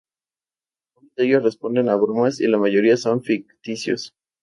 Algunos de ellos responden a bromas y la mayoría son ficticios.